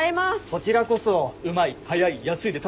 こちらこそうまい早い安いで助かってるよ。